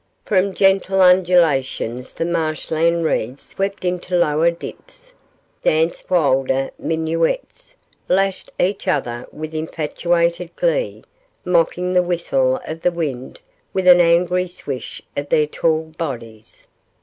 From gentle undulations the marshland reeds swept into lower dips, danced wilder minuets, lashed each other with infatuated glee, mocking the whistle of the wind with an angry swish of their tall bodies.